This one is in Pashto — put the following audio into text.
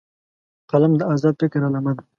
قلم د آزاد فکر علامه ده